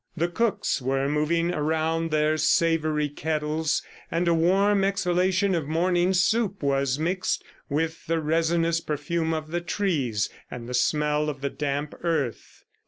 ... The cooks were moving around their savory kettles, and a warm exhalation of morning soup was mixed with the resinous perfume of the trees and the smell of the damp earth.